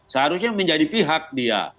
seharusnya menjadi pihak dia